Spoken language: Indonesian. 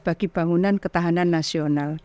bagi bangunan ketahanan nasional